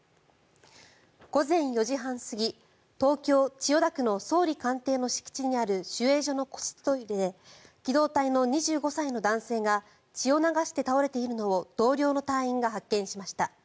午前４時半過ぎ東京・千代田区の総理官邸の敷地にある守衛所の個室トイレで機動隊の２５歳の男性が血を流して倒れているのを同僚の隊員が発見しました。